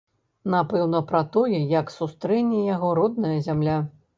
Напэўна, пра тое, як сустрэне яго родная зямля.